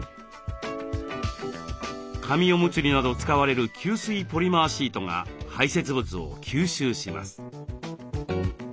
紙おむつになど使われる吸水ポリマーシートが排せつ物を吸収します。